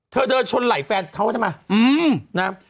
เธอเดินชนไหล่แฟนเธอเขาไว้เท่าไหม